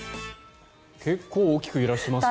結構大きく揺らしてますね。